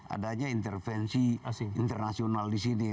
adanya intervensi internasional di sini